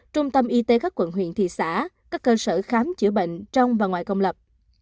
trung tâm y tế các quận huyện thị xã các cơ sở khám chữa bệnh trong và ngoài công lập